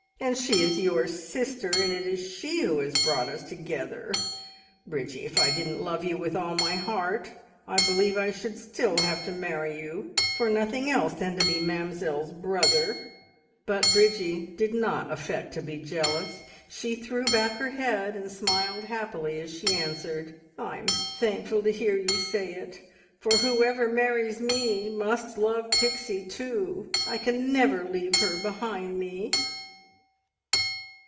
And she is your sister, and it is she who has brought us together! Bridgie, if I didn't love you with all my heart, I believe I should still have to marry you, for nothing else than to be Mamzelle's brother." But Bridgie did not affect to be jealous. She threw back her head, and smiled happily as she answered, "I'm thankful to hear you say it, for whoever marries me must love Pixie too. I can never leave her behind me!"